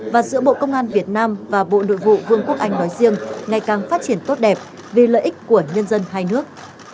và giữa bộ công an việt nam và bộ nội vụ vương quốc anh nói riêng ngày càng phát triển tốt đẹp vì lợi ích của nhân dân hai nước